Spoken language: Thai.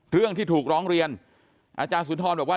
เรื่องที่ถูกร้องเรียนอาจารย์สุนทรบอกว่า